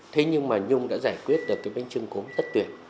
thế nhưng mà nhung đã giải quyết được cái bánh trưng cốm rất tuyệt